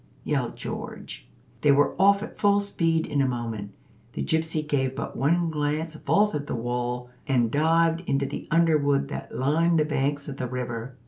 yelled George. They were off at full speed in a moment. The gypsy gave but one glance, vaulted the wall, and dived into the underwood that lined the banks of the river.